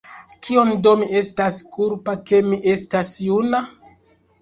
Kion do mi estas kulpa, ke mi estas juna?